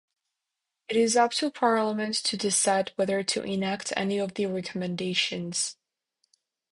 It is up to Parliament to decide whether to enact any of the recommendations.